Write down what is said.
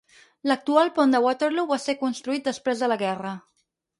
L'actual pont de Waterloo va ser construït després de la guerra.